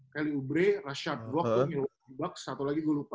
kelly oubre rashad brock domingo wadidwak satu lagi gue lupa